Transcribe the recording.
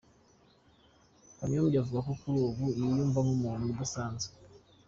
Kanyombya avuga ko kuri ubu yiyumva nk’umuntu udasanzwe.